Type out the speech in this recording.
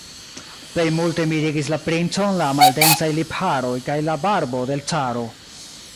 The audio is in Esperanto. Plej multe mirigis la princon la maldensaj lipharoj kaj la barbo de l' caro.